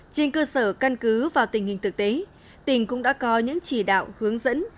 trên cơ sở căn cứ vào tình hình thực tế tỉnh cũng đã có những chỉ đạo hướng dẫn